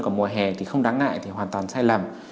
còn mùa hè thì không đáng ngại thì hoàn toàn sai lầm